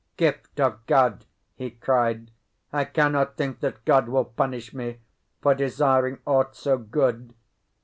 "Gift of God!" he cried. "I cannot think that God will punish me for desiring aught so good!